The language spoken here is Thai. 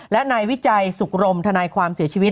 และนายวิจัยสุขรมทนายความเสียชีวิต